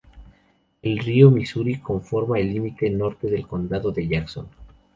El río Misuri conforma el límite norte del Condado de Jackson.